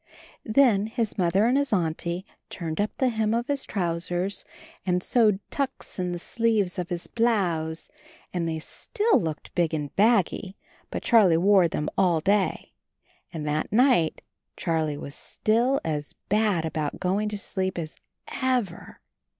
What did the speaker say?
Then his Mother and his Auntie turned up the hem of his trousers and sewed tucks in the sleeves of his blouse, and they still looked big and baggy, but Charlie wore them all day. And that night Charlie was still as bad about going to sleep as ever